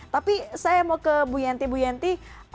tapi saya mau ke bu yanti